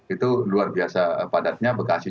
itu luar biasa padatnya bekasi